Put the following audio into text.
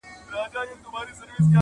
لټوم بایللی هوښ مي ستا د کلي په کوڅو کي,